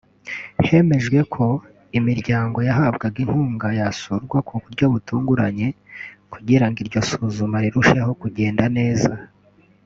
Hemejwe ko imiryango yahabwaga inkuga yasurwa ku buryo butunguranye kugira ngo iryo suzuma rirusheho kugenda neza